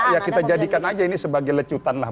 ya kita jadikan aja ini sebagai lecutan lah